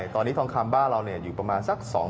ตอนนี้ทองคำบ้านเราอยู่ประมาณสัก๒๐๐